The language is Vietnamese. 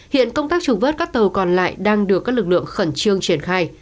hiện công tác trục vớt các tàu còn lại đang được các lực lượng khẩn trương triển khai